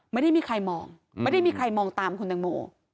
ไม่ได้มีใครมองไม่ได้มีใครมองตามคุณตังโม